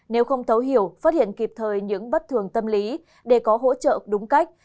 nếu không thấu hiểu phát hiện kịp thời những bất thường tâm lý để có hỗ trợ đúng cách